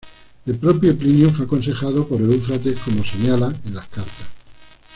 El propio Plinio fue aconsejado por Eufrates, como señala en las cartas.